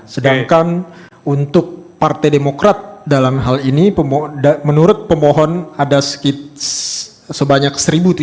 sedangkan untuk partai demokrat dalam hal ini menurut pemohon ada sebanyak satu tiga ratus